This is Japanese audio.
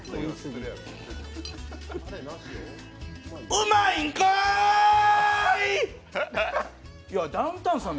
うまいんかーい！